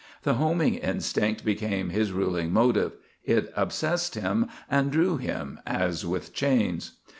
The homing instinct became his ruling motive; it obsessed him and drew him as with chains.